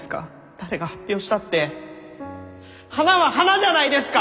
誰が発表したって花は花じゃないですか！